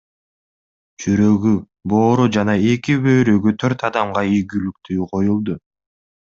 Жүрөгү, боору жана эки бөйрөгү төрт адамга ийгиликтүү коюлду.